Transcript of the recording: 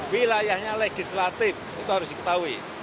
wilayahnya legislatif itu harus diketahui